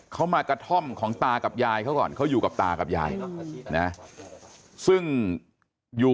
เขามากระท่อมของตากับยายเขาก่อนเขาอยู่กับตากับยายนะซึ่งอยู่